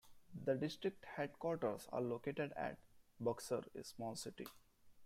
The district headquarters are located at Buxar, a small city.